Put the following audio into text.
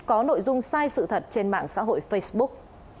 có nội dung sai sự thật trên mạng xã hội facebook